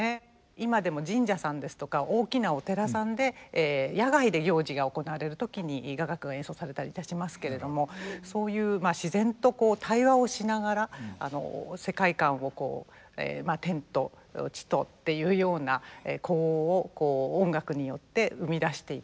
今でも神社さんですとか大きなお寺さんで野外で行事が行われる時に雅楽が演奏されたりいたしますけれどもそういう自然とこう対話をしながら世界観をこうまあ天と地とっていうような呼応を音楽によって生み出していく。